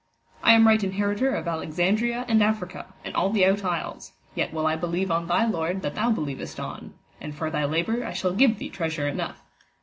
I am right inheritor of Alexandria and Africa, and all the out isles, yet will I believe on thy Lord that thou believest on; and for thy labour I shall give thee treasure enough.